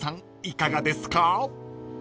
いかがですか？］